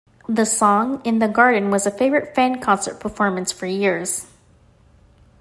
The song "In the Garden" was a favorite fan concert performance for years.